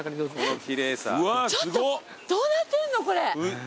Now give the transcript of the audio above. ちょっとどうなってるのこれ。